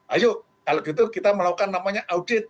ayo kalau gitu kita melakukan namanya audit